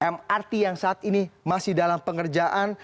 mrt yang saat ini masih dalam pengerjaan